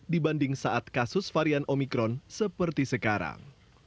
dibanding saat kasus varian omikron seperti sekarang